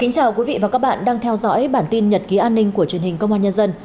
chào mừng quý vị đến với bản tin nhật ký an ninh của truyền hình công an nhân dân